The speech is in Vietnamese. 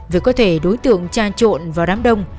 vì có thể đối tượng tra trộn vào đám đông